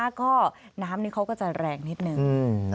แล้วก็น้ำนี้เขาก็จะแรงนิดนึง